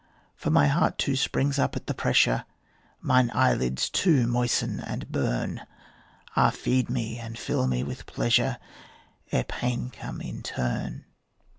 For my heart too springs up at the pressure, Mine eyelids too moisten and burn; Ah, feed me and fill me with pleasure, Ere pain come in turn.